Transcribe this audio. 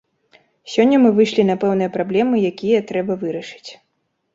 Сёння мы выйшлі на пэўныя праблемы, якія трэба вырашыць.